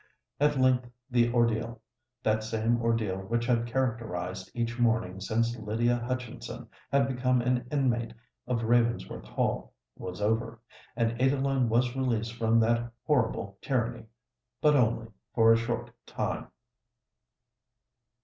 At length the ordeal—that same ordeal which had characterised each morning since Lydia Hutchinson had become an inmate of Ravensworth Hall—was over; and Adeline was released from that horrible tyranny—but only for a short time.